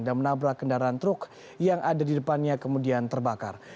dan menabrak kendaraan truk yang ada di depannya kemudian terbakar